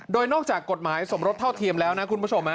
โดยนอกจากกฎหมายสมรสเท่าเทียมแล้วนะคุณผู้ชม